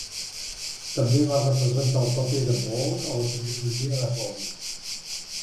També va representar el paper de Bolg a la trilogia del Hobbit.